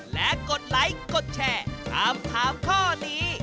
และกดไลค์กดแชร์ถามถามข้อนี้